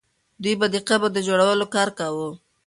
دوی به د قبر د جوړولو کار کاوه.